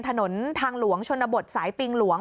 ถนนทางหลวงชนบทสายปิงหลวง